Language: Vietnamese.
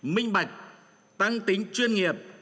minh bạch tăng tính chuyên nghiệp